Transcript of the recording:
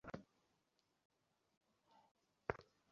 তেমনি ভোট গ্রহণের সময় শেষ হলেও অনেক জায়গায়ই রয়েছে ভোটারদের লাইন।